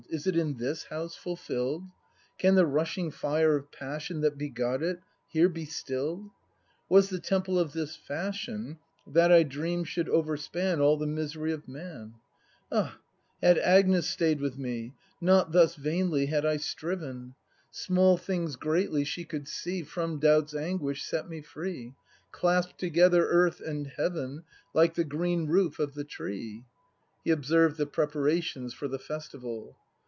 Is it in this House fulfill'd ? Can the rushing fire of passion That begot it, here be still'd ? Was the Temple of this fashion That I dream'd should overspan All the misery of Man ? Ah, had Agnes stay'd with me, Not thus vainly had I striven! ACT V] BRAND 227 Small things greatly she could see, From doubt's ansfuish set me free, Clasp together Earth and Heaven Like the green roof of the tree. [He observes the 'preparations for the festival.